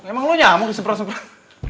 emang lo nyamuk di semprot semprot